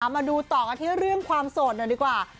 มาดูต่อกันที่เรื่องความโสดหน่อยดีกว่า